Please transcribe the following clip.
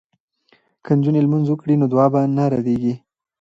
که نجونې لمونځ وکړي نو دعا به نه ردیږي.